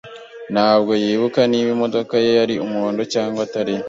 Ntabwo yibuka niba imodoka ye yari umuhondo cyangwa atariyo.